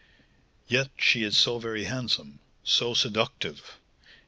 "Yet she is so very handsome, so seductive!